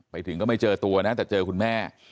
ไปถึงก็ไม่เจอตัวนะแต่เจอคุณแม่